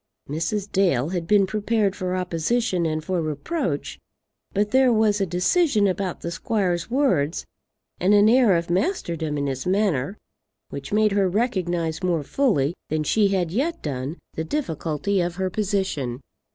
Mrs. Dale had been prepared for opposition and for reproach; but there was a decision about the squire's words, and an air of masterdom in his manner, which made her recognize more fully than she had yet done the difficulty of her position.